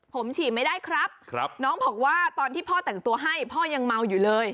ผมฉีดไม่ได้ครับน้องบอกว่าตอนที่พ่อแต่งตัวให้พ่อยังเมาอยู่เลย